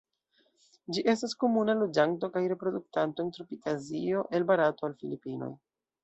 Ĝi estas komuna loĝanto kaj reproduktanto en tropika Azio el Barato al Filipinoj.